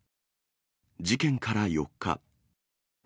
事件から４日。